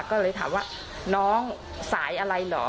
ก็เลยถามว่าน้องสายอะไรเหรอ